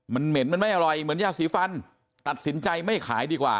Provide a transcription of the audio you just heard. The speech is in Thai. มันเหม็นมันไม่อร่อยเหมือนยาสีฟันตัดสินใจไม่ขายดีกว่า